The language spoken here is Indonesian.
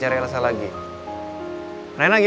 jangan terlalu berpikir pikir